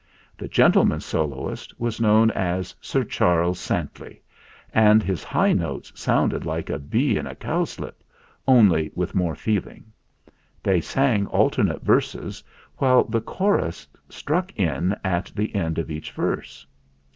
The gen tleman soloist was known as Sir Charles Sant ley, and his high notes sounded like a bee in a cowslip, only with more feeling. They sang alternate verses, while the chorus struck in at the end of each verse.